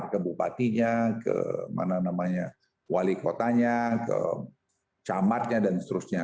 ke bupatinya ke wali kotanya ke camatnya dan seterusnya